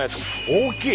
大きい。